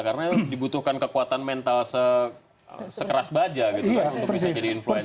karena dibutuhkan kekuatan mental sekeras baja gitu kan untuk bisa jadi influencer